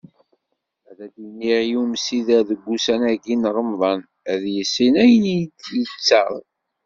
Ad d-iniɣ i umsider deg ussan-agi n Remḍan, ad yissin ayen i d-yettaɣ.